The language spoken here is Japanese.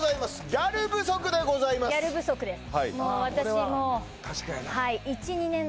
ギャル不足でございますギャル不足です